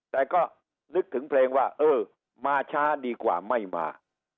แต่ก็นึกถึงเพลงว่าเออมาช้าดีกว่าไม่มา